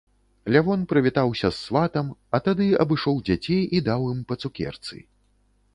Лявон прывітаўся з сватам, а тады абышоў дзяцей і даў ім па цукерцы.